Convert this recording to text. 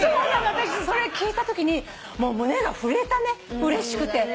私それ聞いたときに胸が震えたねうれしくて。